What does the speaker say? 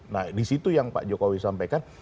nah disitu yang pak jokowi sampaikan